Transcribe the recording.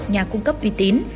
nhà cung cấp uy tín